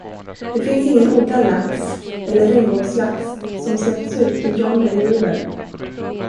Det finns ingen odlad lax eller regnbågslax som släppts ut i John Day River.